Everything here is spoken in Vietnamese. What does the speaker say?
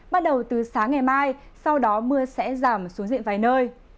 bắt đầu từ sáng ngày mai sau đó mưa sẽ giảm xuống diện vài nơi